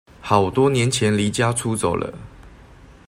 好多年前離家出走了